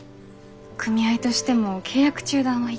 組合としても契約中断は痛くて。